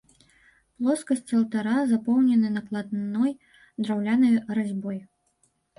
Плоскасці алтара запоўнены накладной драўлянай разьбой.